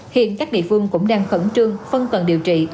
hiện các địa phương cũng đang khẩn trương phân cần điều trị